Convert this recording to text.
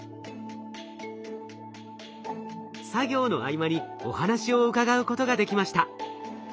作業の合間にお話を伺うことができました。